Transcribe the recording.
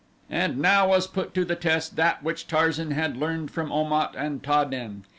And now was put to the test that which Tarzan had learned from Om at and Ta den.